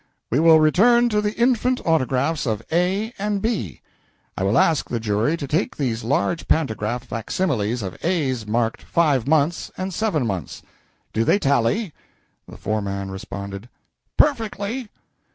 ] We will return to the infant autographs of A and B. I will ask the jury to take these large pantograph facsimilies of A's marked five months and seven months. Do they tally?" The foreman responded "Perfectly."